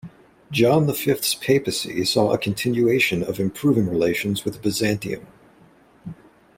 John the Fifth's papacy saw a continuation of improving relations with Byzantium.